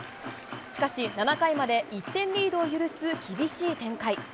しかし、７回まで１点リードを許す厳しい展開。